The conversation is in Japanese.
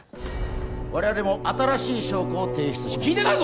我々も新しい証拠を提出します聞いてないぞ！